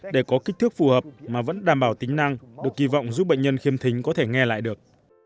để tìm cách phù hợp mà vẫn đảm bảo tính năng được kỳ vọng giúp bệnh nhân khiêm thính có thể nghe lại được